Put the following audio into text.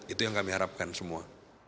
itu yang kami harapkan semua